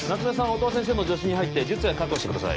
音羽先生の助手に入って術野確保してください